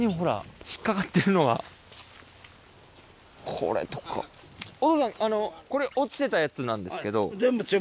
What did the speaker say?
これとかお父さんこれ落ちてたやつなんですけど。